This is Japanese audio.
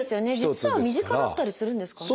実は身近だったりするんですかね。